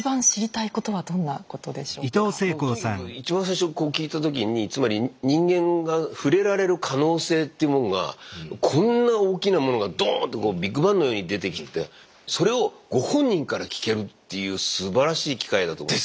いやとにかく一番最初聞いた時につまり人間が触れられる可能性というもんがこんな大きなものがドーンとビッグバンのように出てきてそれをご本人から聞けるっていうすばらしい機会だと思って。